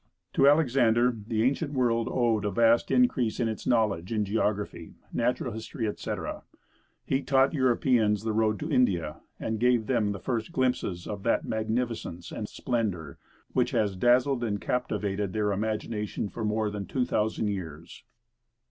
To Alexander, the ancient world owed a vast increase of its knowledge in geography, natural history, etc. He taught Europeans the road to India, and gave them the first glimpses of that magnificence and splendor which has dazzled and captivated their imagination for more than two thousand years.